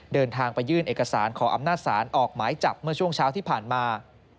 เดินทางไปยื่นเอกสารขออำนาจศาลออกหมายจับเมื่อช่วงเช้าที่ผ่านมา